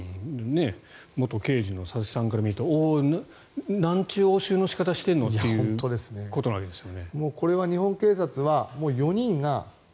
元刑事の佐々木さんから見ておお、なんちゅう押収の仕方しているのということですよね。